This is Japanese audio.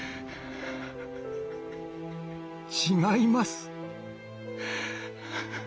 違います。